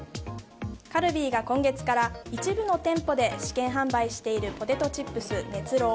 カルビーが今月から一部の店舗で試験販売しているポテトチップス、熱浪。